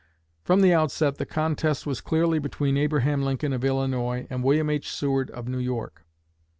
From the outset the contest was clearly between Abraham Lincoln of Illinois and William H. Seward of New York.